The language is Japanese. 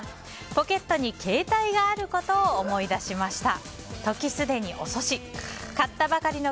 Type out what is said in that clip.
ポケットに携帯があることを思い出しました。